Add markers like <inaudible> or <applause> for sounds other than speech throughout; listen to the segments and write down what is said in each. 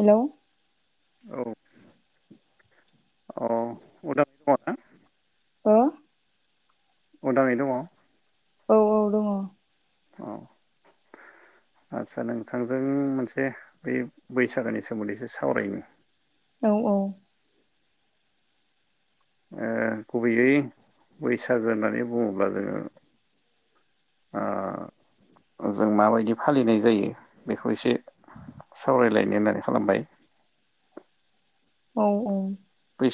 Hello औ औ उदाङै दङ ना? हो उदाङै दङ? औ औ दङ। अ आदसा नोंथांजों मोनसे बे बैसागोनि सोमोन्दैसो सावरायनो औ औ ओ गुबैयै बैसागो होननानै बुङोब्ला जोङो, ओ जों माबायदि फालिनाय जायो बेखौ एसे सावरायलायनो होननानै खालामबाय। औ। ओ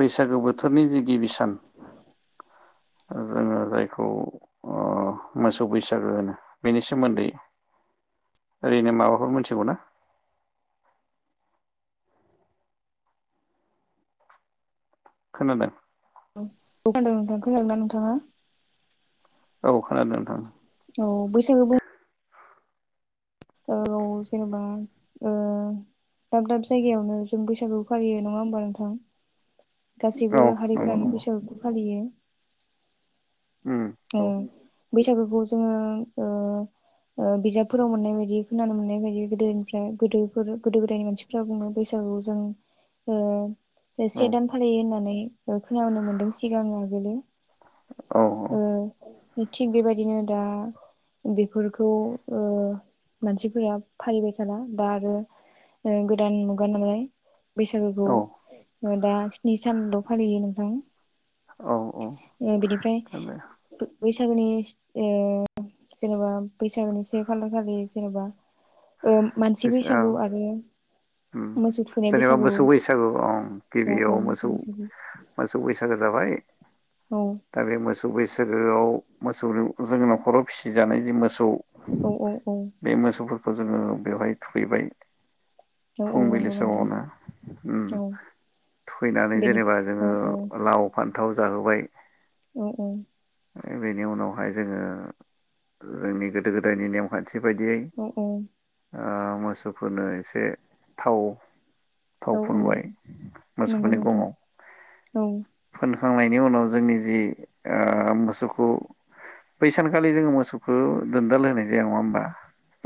बैसागु बोथोरनि जि गिबि सान, ओ जोङो जायखौ अ मोसौ बैसागो होनो बेनि सोमोन्दै ओरैनो माबाफोर मिथिगौना? खोनादों? औ लांदा नोंथाङा। औ खोनादों नोंथां। औ बैसागो बुं औ जेनेबा ओ दाब दाब जायगायावनो जों बैसागु फालियो नङा होमबा नोंथां? औ गासैबो नंगौ हारिफोरानो नंगौ बैसागुखौ फालियो। उम ओ। औ बैसागोखौ जोङो ओ ओ बिजाबफोराव मोननाय बायदि खोनानो मोननाय बायदि गोदोनिफ्राय गोदोफोर गोदो गोदायनि मानसिफ्रा बुङो बैसागोआव जों ओ बे औ से दान फलियो होननानै खोनानो मोनदों सिगाङो आगोलो। औ ओ थिग बेबायदिनो दा बेफोरखौ ओ मानसिफोरा फालिबाय थाला बा आरो ओ गोदान मुगा नालाय। बैसागुखौ औ दा स्नि सानल' फालियो नोंथां। औ‌। बेनिफ्राय बैसागोनि ओ मानसि बैसागु आरो मोसौ <unintelligible> थुखैनाय जेनेबा बैसागु मोसौउ औ बैसागु अ, गिबि याउ, औ मोसोउ मोसौ बैसागु बैसागु होजाबाय औ दा बे मोसौ बैसो आव मोसौ जों न'खराव फिसिजानाय जि मोसौ औ औ औ जोंओ बेवहाय थुबैबाय। औ औ फुंबिलि नंगौ समावनो नोंथां औ थुखैनानै बेनि जेनेबा जोङो औ लाव, फान्थाव जाहोबाय औ औ। बेनि उनावहाय जोङो जोंनि गोदो गोदायनि नेमखान्थि बायदियै औ आं मोसौफोरनो एसे थाव थाव औ औ फुनबाय नंगौ मोसौफोरनि नोंथां गङाव, औ फोन नायनि उनाव जोंनि जि अ मोसोउ खोउ, बै सानखालि मोसोउ खोउ दोनदाल होनाय जाया होमब्ला?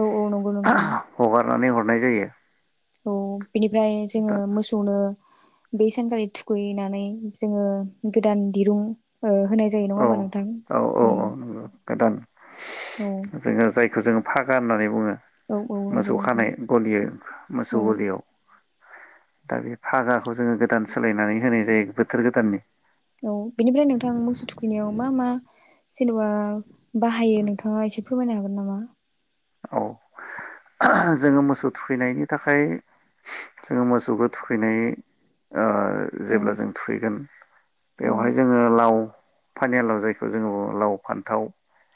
<unintelligible> <unintelligible> हगारनानै हर नाय जायो औ बिनिफ्राय जोङो दा मोसौनो बे सानखालि थुखैनानै जोङो गोदान दिरूं ओ होनाय जायो नङा औ होमबा नोंथां? औ औ उम औ नंगौ गोदान औ जोङो जायखौ जोङो फागा होननानै बुङो औ औ नंगौ मोसौ नोंथां खानाय गलि औ मोसौ गलियाव दा बे फागाखौ जोङो गोदान सोलायनानै होनाय जायो बोथोर गोदाननि औ बेनिफ्राय नोंथा मोसौ थु र्वबिनियाव मा मा जेनबा बाहायो नोंथाङा एसे फो फोरमायनो हागोन नामा? औ जोङो मोसौ थुखैनायनि थाखाय जोङो मोसौखौ थुखैनाय ओ औ जेब्ला जों थुखैगोन औ बेवहाय जोङो लाव पानियालाव जायखौ जोङो लाव फान्थाव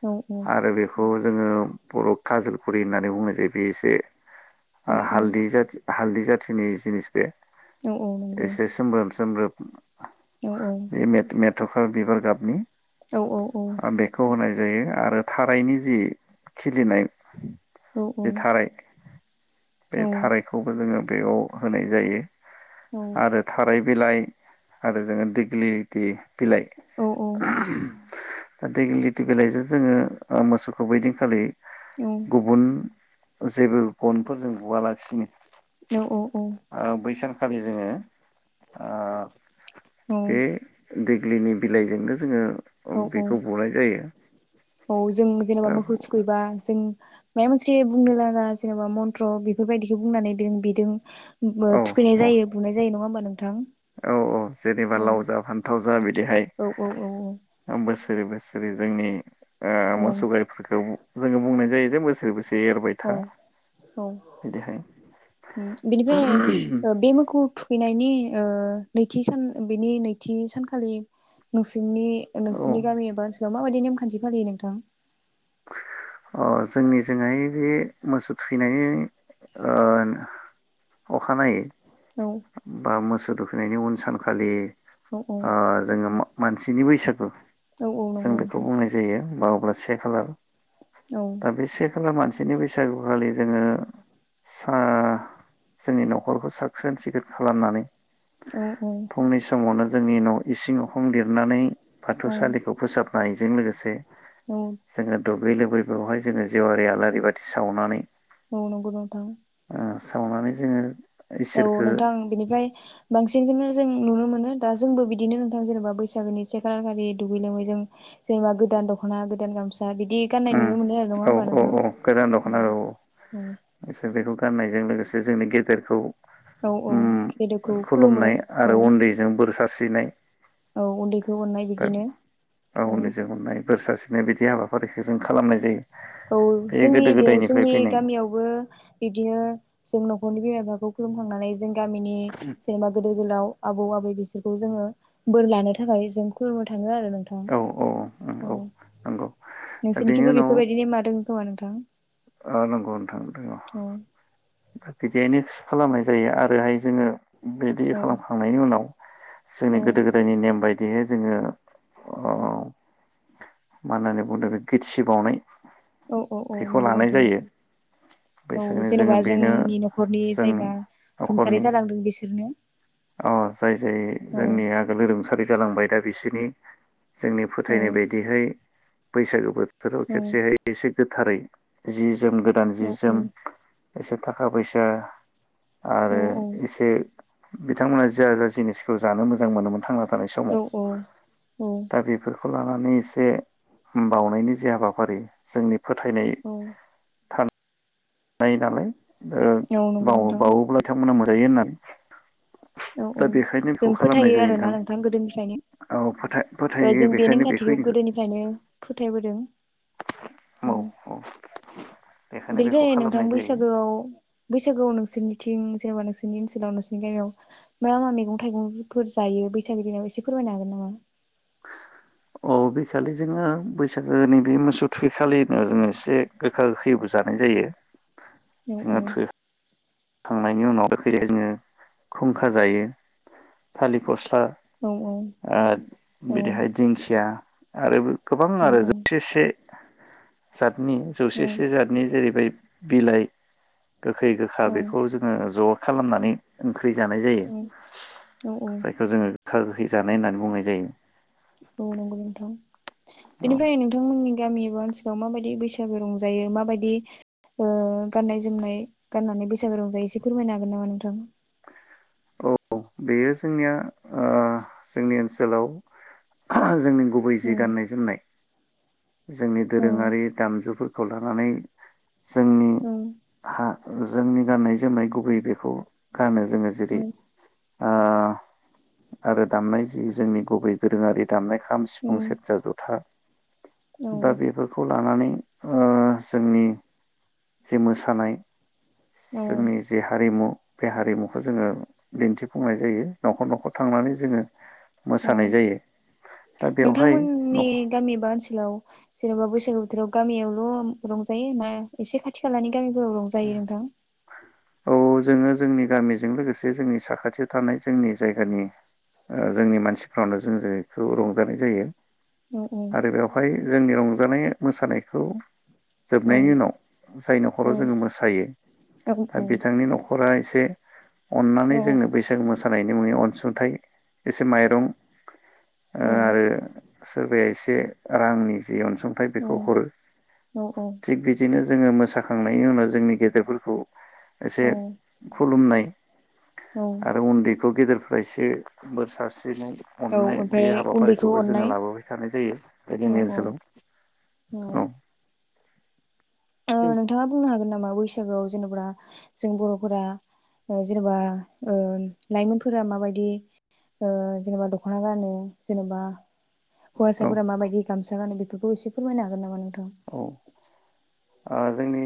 औ आरो बेखौ जोङो बर काजलगुरि होननानै बुंनाय जायो बे एसे औ हालदि जाथि हालदि जाथिनि जिनिस बे औ औ नंगौ एसे सोमब्रोम सोमब्रोम औ औ थखा बिबार गाबनि औ औ औ बेखौ होनाय जायो आ रो थारायनि जि खिलिनाय औ बे थाराय बे औ थारायखौबो जोङो बेयाव होनाय जायो औ आरो थाराय बिलाइ आरो जोङो दिग्लिलिथि बिलाइ देगलिटि बेलाइजो जोङो ओ मोसौखौ बैदिनखालि गुबुन जेबो गनफोर जों बुआलासिनो औ औ औ खालि जोङो आ औ बे दिग- ग्लिनि बिलाइजोंनो जोङो औ औ बेखौ बुनाय जायो औ जों जेनेबा दा मोखौ थुखैबा जों माय मोनसे बुंनो लागा जेनेबा मन्त्र बेफोरबायदिखौ बुंनानै बें बिदों औ थुखैनाय जायो बुनाय जायो नङा होमबा नोंथां औ औ जेनेबा लाव जा फान्थाव जा बि- औ औ औ औ ओरैबा सोरनि जोंनि आ मोसौ गारिफोरखौ जोङो बुंनाय जायो जे बोसोर बोसोर औ औ बिदिहाय बेनिफ्राय बे मोखौ थुखैनायनि ओ नैथि सान बेनि नैथि सानखालि नों नोंनि औ नोंसिनि गामि एबा ओनसोलाव माबायदि नेमखान्थि फालियो नोंथां जोंनिजोंहाय बे मोसौ थुखैनायनि ओ अखानायै औ बा मोसौ थुखैनायनि उन सानखालि औ ओ औ औ जोङो मानसिनि बैसागु औ जों नंगौ बेखौ नोंथां बुंनाय जायो मा अब्ला से खालार औ दा बेसे खाला मानसि बिनि बैसागुखालि जोङो जोंनि न'खरखौ साखसोन सिखोन खालामनानै औ औ फुंनि समावनो जोंनि न' इसिं उखां लिरनानै औ बाथौसालिखौ फोसाब नायजों लोगोसे औ बे लोबोरै बेवहाय जोङो जेवआारि आलारि बाथि सावनानै औ नंगौ नोंथां। ओ सावनानै जोङो औ इसोरखो नोंथां बेनिफ्राय बांस सिनखौनो जों नुनो मोनो दा जोंबो बिदिनो नोंथां जेनेबा बैसागोनि से खालारखालि दुगै लोङै जों जेनेबा गोदान दख'ना गोदान गामसा बिद उम औ औ औ गोदान दख'ना औ औ एसे बेखौ गाननायजों लोगोसे जोंनि गेदेरखौ औ औ उम गेदेरखौ खुलुमो खुलुमनाय औ आरो उन्दैजों बोर सारस्रिनाय औ उन्दैखौ अननाय दा बिदिनो औ नो बिदि हाबाफारिस बे जों खालामनाय जायो। औ जोंनि गोदो बे गोदायनिफ्राय जोंनि फैनाय गामियावबो बिदिनो जों न'खरनि बिमा बिफाखौ खुुलुमखांनानै जों गामिनि जेनेबा गोदोर गोलाव आबौ आबै बिसोरखौ जोङो बोर लानो थाखाय जों खुलुमनो थाङो आरो नोंथां औ औ उम। नंगौ दा बेनि नोंसोरनिखिबो बेफोरबायदि नेमा दों थवा नोंथां अ नंगौ नोंथां। औ बिदियानेस खालामनाय जायो आरोहाय जोङो बेदि औ खालामखांनायनि उनाव जोंनि औ गोदो गोदायनि नेम बायद बिदिनो जोङो अ मा होननानै बुंदो गोथ्सि बावनाय। औ औ औ बेखौ नंगौ लानाय नोंथां जायो नंगौ औ बैसागोनि जोङो जेनेबा ज बेनो जों रुंसारि नख'रनि जालांदों बिसोरनो अ जाय जाय औ जोंनि आगोलो रुंसा खारि जालांबाय दा बिसोरनि जोंनि औ फोथायनाय बायदिहै बैसागो बोथ थोराव औ खेबसेहाय एसे गोथारै जि ज जोम गोदान औ जि जोम थाखा फैसा आरो औ इसे बिथांमोना जा जा जिनिसखौ जानो मोजां मोनोमोन थांना था थानाय समाव औ औ दा बेफोरखौ ला मानो इसे बावनायनि जे हाबाफारि जोंनि। फोथायनाय औ थान नाय नालाय। ओ औ नंगौ नोंथां बावो-बावोब्ला बिथांमोना मोन जायो होन्नानै। औ औ जों फोथायो आरोना नोंथां गोदोनिफ्रायनो औ फोथाय ओ जों फोथायो बे बेखायनो बेखौ नेमखान्थिखौ गोदोनिफ्रायनो फोथायबोदों औ औ। <inaudible> दग बेखौ नो थां खालामनाय जायो बैसागोआव बैसागोआव नोंसोरनिथिं जेनेबा नोंसोरनि ओनसोलाव नोंसोरनि गामियाव मा मा मैगं थाइगंफोर जायो बैसागो दिनाव एसे फोरमायनो हागोन नामा? अ' बैखालि जोङो बैसागोनि बि मोसौ थुखैखालिनो जोङो एसे गोखा गोखैबो जानाय जायो। एव अ'। खांनायनि उनाव जोङो खुंखा जायो थालिर फसला औ औ बिदिहाय दिंखिया आरो गोबां आरो जौसे से। सात जौसे से जातनि जेरैबायदि बिलाइ गोखै गोखा औ बे ओ ज' खालामनानै ओंख्रि जानाय जायो जायखौ जोङो गोखा गोखै जानाय होननानै बुंनाय जायो। औ नंगौ नोंथां औ बेनिफ्राय नोंथांमोननि गामि एबा ओनसोलाव मा बायदि बैसागु रंजायो मा बायदि ओ गाननाय जोमनाय गाननानै बैसागु रंजायो एसे फोरमायनो हागोन नामा नोंथां? औ बेयो जोंनिया ओ जोंनि ओनसोलाव जोंनि गुबै औ जि गाननाय जोमनाय। जोंनि औ दोरोङारि दामजुफोरखौ खौ लानानै जोंनि औ हा जोंनि गाननाय जोमनाय गुबै बेखौ गानो जोङो औ जेरै ओ आरो दामनाय जि जोंनि गुबै दोरोङारि दामनाय खाम, सिफुं, सेरजा, जथा। दा औ बेफोरखौ लानानै जोंनि जे मोसानाय औ जोंनि जे हारिमु बे हारिमुखौ जोङो दिन्थिफुंनाय जायो न'खर न'खर थांनानै जोङो। अ मोसानाय जायो दा बेवहाय नोंथांमोननि औ गामि एबा ओनसोलाव जेनेबा बैसागो बोथोराव गामियावल' रंजायो ना एसे खाथि खालानि गामिफोराव रंजायो नोंथां। औ जोङो जोंनि गामिजों लोगोसे जोंनि साखाथियाव थानाय जोंनि जायगानि जोंनि मानसिफ्रावनो जों बेखौ रंजानाय जायो। औ आरो बेवहाय। जोंनि रंजानाय मोसानायखौ जोबनायनि औ उनाव जाय न'खराव। जोङो मोसायो औ दा बिथांनि न'खरा एसे अननानै जोङो बैसागो मोसानाय मोसानायनि मुंनि इसे अनसुंथाइ एसे माइरं आरो। सोरबाया एसे रांनि जि अनसुंथाय अनसुंथाइ बेखौ हरो औ थिग बिदिनो जोङो मोसाखांनाय बेनि उनाव जोंनि गेदेरफोरखौ एसे खुलुमनाय औ आरो उन्दैखौ गेदेर खायसे बोरसा स्रिनाय औ अननाय बे ओमफ्राय उन्दैखौ हाबाफारिखौबो जोङो अननाय लाबोबाय थानाय जायो बे औ जोंनि औ ओनसोलाव औ। नोंथाङा बुंनो हागोन नामा। बैसागोआव जेनेबा जों बर'फोरा जेनेबा लाइमोनफोरा माबायदि ओ जेनेबा दख'ना गानो जेनेबा औ हौवासाफोरा माबायदि गामसा गानो बेफोरखौ एसे फोरमायनो हागोन नामा नों। औ। जोंनि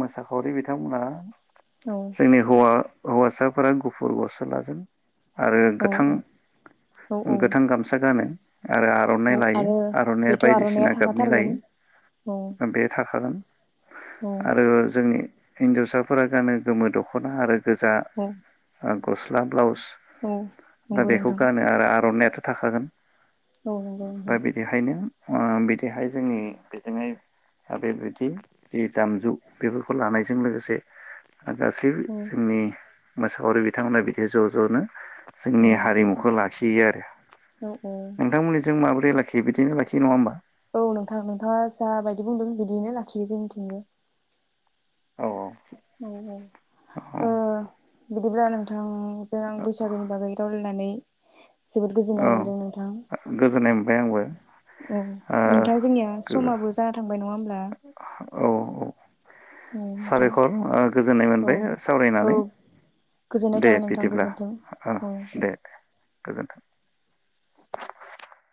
मोसाखावरि बिथांमोना औ जोंनि हौवा हौवासाफोरा गुफुर गस्लाजों आरो गोथां औ औ औ गोथां गामसा गानो आरो आर'नाइ औ लायो आरो आर'नाइया बेथ' आर'नाइया बायदिसिना गाबनि थाखाथारगोन औ लायो बे थाखागोन औ आरो जों हि हिनजावसाफोरा गानो गोमो दख'ना आरो गोजा औ आ गस्ला ब्लाउस औ दा नंगौ बेखौ नोंथां गानो आरो आर'नायाथ' थाखागोन औ नंगौ दा नोंथां बिदिखायनो ओ बिथिंहाय जोंनि जोङो बेबायदि जि दामजु बेफोरखौ लानायजों लोगोसे गासैबो औ जोंनि मोसाखावरि बिथांमोना बिदि ज' ज'नो औ जोंनि हारिमुखौ लाखियो आरो औ नोंथांमोननि जों माबोरै ब्रै लाखियो बिथिंनो लाखि नङा होनबा औ नोंथां नोंथाङा जा बायदि बुंदों बिदियैनो लाखियो जोंनिथिंबो औ औ औ औ बिदिब्ला नोंथांजों आं बैसागोनि बागै रावलायनानै जोबोद गोजोननाय मोन्दों नोंथां ओमफ्राय आंबो औ नोंथां जोंनिया समाबो जाना थांबाय नङा होन <inaudible> औ औ औ नोंथां साबायखर ओ गोजोननाय औ मोनबाय औ सावरायनानै गोजोननाय दे थाबाय नोंथां बिदिब्ला गोजोन्थों दे गोजोन्थों